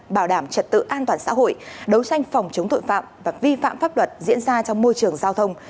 bảo đảm trật tự an toàn xã hội đấu tranh phòng chống tội phạm và vi phạm pháp luật diễn ra trong môi trường giao thông